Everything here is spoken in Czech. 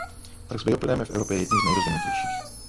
Trh s bioplynem je v Evropě jedním z nejrozvinutějších.